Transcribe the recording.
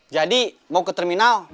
jadi mau ke terminal